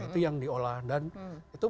itu yang diolah dan itu